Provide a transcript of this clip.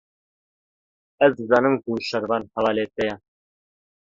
Ez dizanim ku Şervan hevalê te ye.